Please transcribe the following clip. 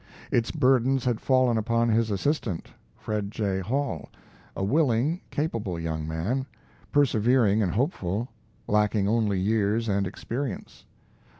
Its burdens had fallen upon his assistant, Fred J. Hall, a willing, capable young man, persevering and hopeful, lacking only years and experience.